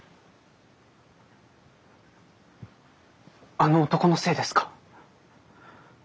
あの男のせいですか？